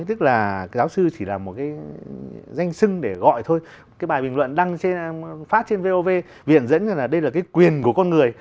tức là giáo sư chỉ là một cái danh sưng để gọi thôi cái bài bình luận đăng trên phát trên vov viện dẫn là đây là cái quyền của con người